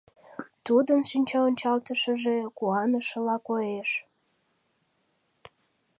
Тудын шинчаончалтышыже куанышыла коеш.